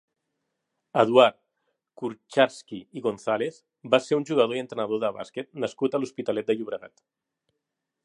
Eduard Kucharski i Gonzàlez va ser un jugador i entrenador de bàsquet nascut a l'Hospitalet de Llobregat.